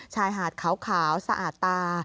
ชายหาดขาวสะอาดตา